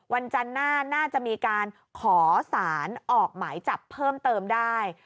วันจันทร์หน้าน่าจะมีการขอสารออกหมายจับเพิ่มเติมได้